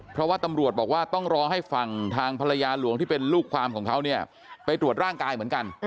เพราะว่าตำรวจบอกว่าต้องรอให้ฝั่งทางภรรยาหลวงที่เป็นลูกความของเขาเนี่ยไปตรวจร่างกายเหมือนกัน